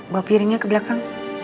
bawa piringnya ke belakang